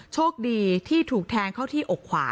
โชคดีที่ถูกแทงเข้าที่อกขวา